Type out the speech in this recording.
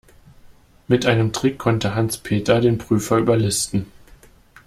Mit einem Trick konnte Hans-Peter den Prüfer überlisten.